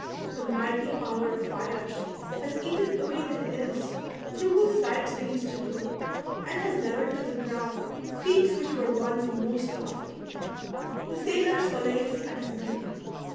The mighty power of fires has eaten away the hills through whose sides they used to glow, and has levelled to the ground peaks which were once most lofty — the sailor's solace and his beacon.